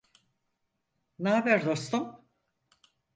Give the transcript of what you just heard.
N'aber dostum?